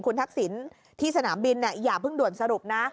คุณทักษิณที่สนามบินอย่าเพิ่งด่วนสรุปนะ